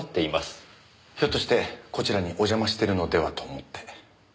ひょっとしてこちらにお邪魔してるのではと思って。